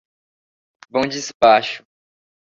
Bom Despacho